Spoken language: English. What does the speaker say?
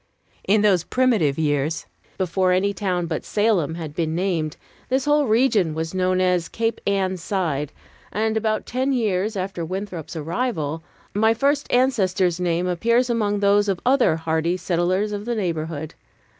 In those primitive years, before any town but Salem had been named, this whole region was known as Cape Ann Side; and about ten years after Winthrop's arrival, my first ancestor's name appears among those of other hardy settlers of the neighborhood.